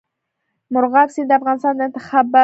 مورغاب سیند د افغانستان د اقتصاد برخه ده.